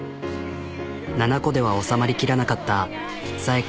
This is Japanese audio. ７個では収まりきらなかった紗栄子